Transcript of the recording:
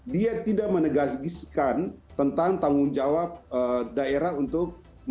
dia tidak menegaskan tentang tanggung jawab daerah untuk membangun jalan daerahnya